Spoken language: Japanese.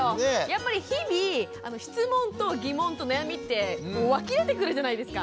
やっぱり日々質問と疑問と悩みって湧き出てくるじゃないですか。